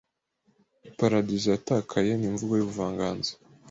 Iparadizo yatakaye n'imvugo y'ubuvanganzo